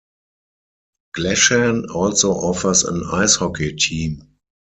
Glashan also offers an ice hockey team.